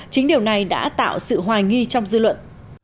chính điều này đã tạo sự hoài nghi trong dư luận